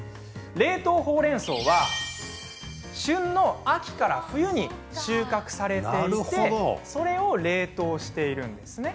冷凍ほうれんそうは旬の秋から冬に収穫されていてそれを冷凍しているんです。